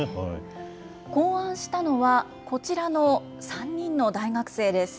考案したのは、こちらの３人の大学生です。